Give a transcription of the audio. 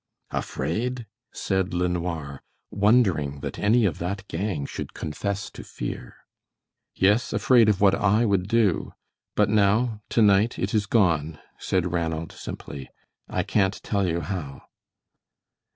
"Afraid?" said LeNoir, wondering that any of that gang should confess to fear. "Yes, afraid of what I would do. But now, tonight, it is gone," said Ranald, simply, "I can't tell you how."